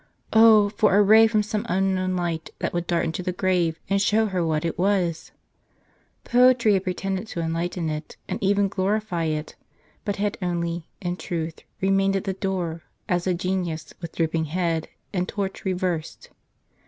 Oh, for a ray from some unknown light, that would dart into the grave, and show her what it was ! Poetry had pre tended to enlighten it, and even glorify it ; but had only, in truth, remained at the door, as a genius with drooping head, and torch reversed.